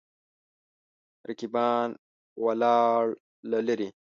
رقیبان ولاړ له لرې.